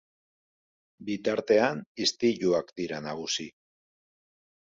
Bitartean, istiluak dira nagusi.